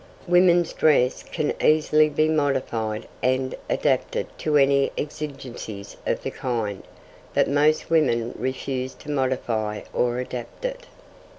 Women's dress can easily be modified and adapted to any exigencies of the kind; but most women refuse to modify or adapt it.